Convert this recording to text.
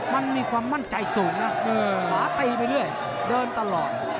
มันมีความมั่นใจสูงนะหมาตีไปเรื่อยเดินตลอด